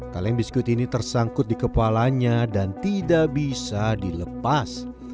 kaleng biskuit ini tersangkut di kepalanya dan tidak bisa dilepas